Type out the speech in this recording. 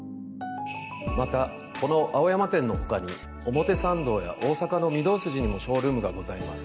またこの青山店の他に表参道や大阪の御堂筋にもショールームがございます。